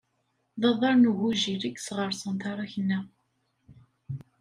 D aḍar n ugujil i yesɣersen taṛakna.